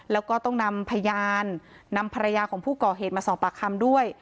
แล้วก็ต้องนำพยานนำภรรยาของผู้ก่อเหตุมาสอบปากคำด้วย